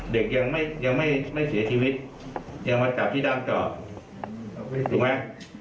เด็กยังไม่ยังไม่เสียชีวิตยังมาจับที่ดำต่อถูกไหม